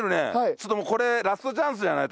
ちょっともうこれラストチャンスじゃない？